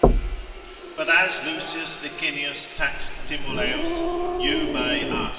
But as L. Licinius taxed Timolaus, you may us.